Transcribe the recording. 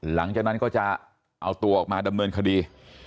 หลังจากนั้นก็จะเอาตัวออกมาดำเนินคดี